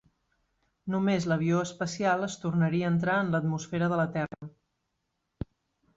Només l'avió espacial es tornaria a entrar en l'atmosfera de la Terra.